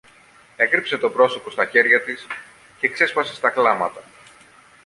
έκρυψε το πρόσωπο στα χέρια της και ξέσπασε στα κλάματα